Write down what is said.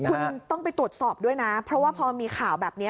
คุณต้องไปตรวจสอบด้วยนะเพราะว่าพอมีข่าวแบบนี้